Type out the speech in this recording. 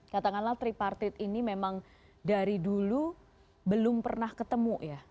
katakanlah tripartit ini memang dari dulu belum pernah ketemu ya